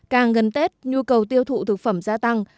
càng gần tết nhu cầu tiêu thụ thực phẩm gia tăng